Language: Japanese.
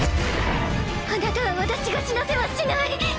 あなたは私が死なせはしない！